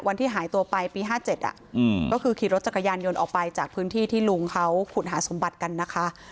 วันที่หายตัวไปปี๕๗ก็คือขี่รถจักรยานยนต์ออกไปจากพื้นที่ที่ลุงเขาขุดหาสมบัติกันนะคะ